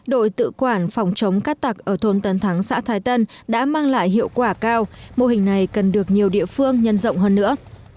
đội tự quản phòng chống cát tặc ở thôn tân thắng xã thái tân đã mang lại hiệu quả cao mô hình này cần được nhiều địa phương nhân rộng hơn nữa